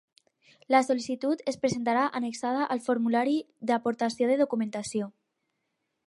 La sol·licitud es presentarà annexada al formulari d'aportació de documentació.